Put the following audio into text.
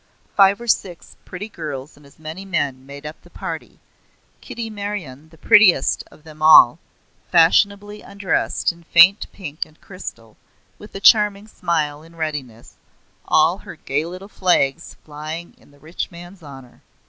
Five or six pretty girls and as many men made up the party Kitty Meryon the prettiest of them all, fashionably undressed in faint pink and crystal, with a charming smile in readiness, all her gay little flags flying in the rich man's honour.